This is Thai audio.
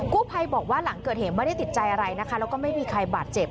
กู้ภัยบอกว่าหลังเกิดเหตุไม่ได้ติดใจอะไรนะคะแล้วก็ไม่มีใครบาดเจ็บ